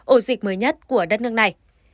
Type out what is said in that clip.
ổ dịch mới nhất của đất nước này